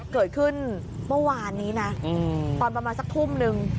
เกิดขึ้นเมื่อวานนี้นะตอนประมาณสักทุ่มนึง